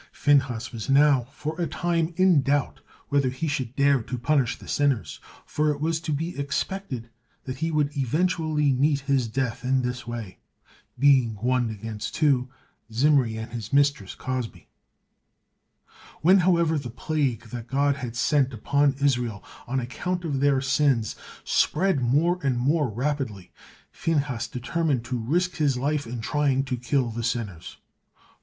Phinehas was now for a time in doubt whether he should dare to punish the sinners, for it was to be expected that he would eventually meet his death in this way, being one against two, Zimri and his mistress Cozbi. When, however, the plague that God had sent upon Israel on account of their sins spread more and more rapidly, Phinehas determined to risk his life in trying to kill the sinners.